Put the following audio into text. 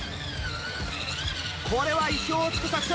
これは意表を突く作戦。